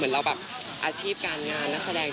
ที่ถ้าว่างจริงก็ออกกำลังกาย